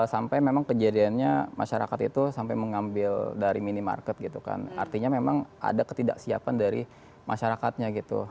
sampai memang kejadiannya masyarakat itu sampai mengambil dari minimarket gitu kan artinya memang ada ketidaksiapan dari masyarakatnya gitu